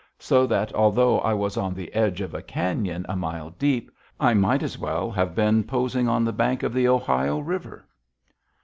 So that, although I was on the edge of a cañon a mile deep, I might as well have been posing on the bank of the Ohio River.